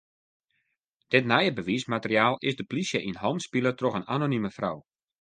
Dit nije bewiismateriaal is de plysje yn hannen spile troch in anonime frou.